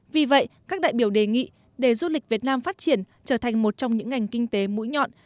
vì vậy các đại biểu đề nghị để du lịch việt nam phát triển trở thành một trong những ngành kinh tế mũi nhọn